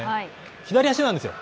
左足なんですよ。